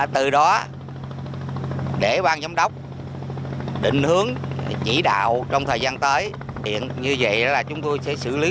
từ đó để ban giám đốc định hướng chỉ đạo trong thời gian tới như vậy là chúng tôi sẽ xử lý